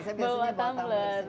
saya biasanya bawa tumbler sendiri